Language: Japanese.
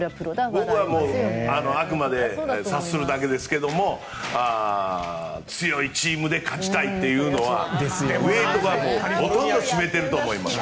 僕はあくまで察するだけですけど強いチームで勝ちたいというのはＦＡとかはほとんど占めていると思います。